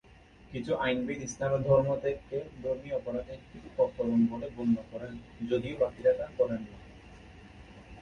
কিছু আইনবিদ ইসলামে ধর্ম ত্যাগ কে ধর্মীয় অপরাধের একটি প্রকরণ বলে গণ্য করেন যদিও বাকিরা তা করেন না।